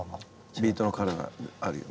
ビートのカラーがあるよね。